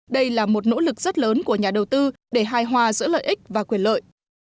đây là một nỗ lực rất lớn của nhà đầu tư để hài hòa giữa lợi ích và quyền lợi